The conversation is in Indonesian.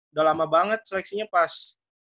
udah lama banget seleksinya pas